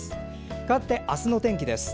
かわって明日の天気です。